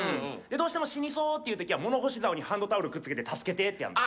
どうしても死にそうっていう時は物干し竿にハンドタオルくっつけて助けてってやんの。